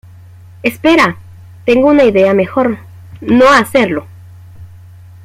Espera. Tengo una idea mejor. ¡ no hacerlo!